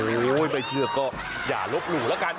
โอ้โหไม่เชื่อก็อย่าลบหลู่แล้วกัน